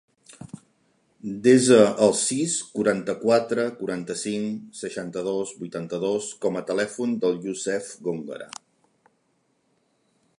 Desa el sis, quaranta-quatre, quaranta-cinc, seixanta-dos, vuitanta-dos com a telèfon del Youssef Gongora.